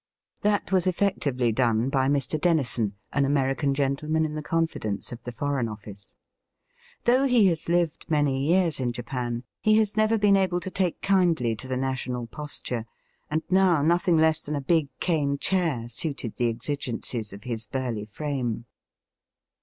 That was eflfectively done by Mr. Dennison, an American gentleman in the confidence of the Foreign Office. Though he has lived many years in Japan, he has never been able to take kindly to the national posture, and now nothing less than a big cane chair suited the exigencies of his burly frame.